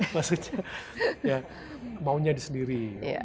maksudnya ya maunya di sendiri gitu ya